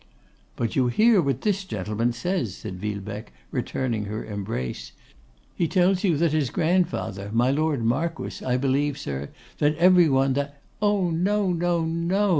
'But you hear what this gentleman says,' said Villebecque, returning her embrace. 'He tells you that his grandfather, my Lord Marquess, I believe, sir, that every one, that ' 'Oh, no, no, no!